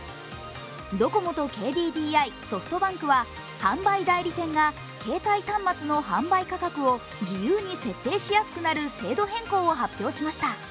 ドコモとＫＤＤＩソフトバンクは販売代理店が携帯端末の販売価格を自由に設定しやくすなる制度変更を発表しました。